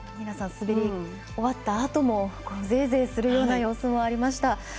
皆さん滑り終わったあともぜーぜーするような様子もありました。